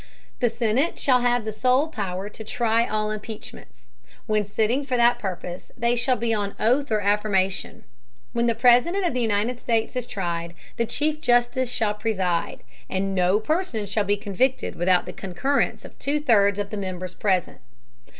The Senate shall have the sole Power to try all Impeachments. When sitting for that Purpose, they shall be on Oath or Affirmation. When the President of the United States is tried, the Chief Justice shall preside: And no Person shall be convicted without the Concurrence of two thirds of the Members present.